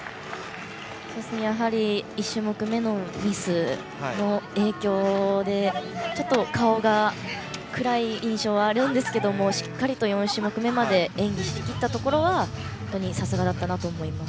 １種目めのミスの影響でちょっと顔が暗い印象があるんですがしっかりと４種目めまで演技しきったところはさすがだったなと思います。